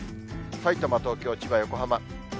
さいたま、東京、千葉、横浜。